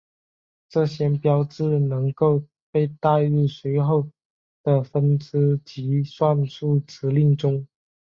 这些标志能够被带入随后的分支及算术指令中。